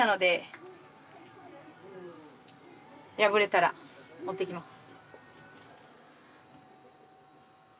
破れたら持ってきます。